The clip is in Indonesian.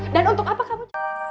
dan untuk apa kamu